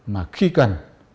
mà khi cần